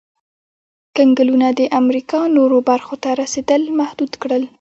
کنګلونو د امریکا نورو برخو ته رسېدل محدود کړل.